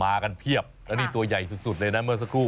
มากันเพียบแล้วนี่ตัวใหญ่สุดเลยนะเมื่อสักครู่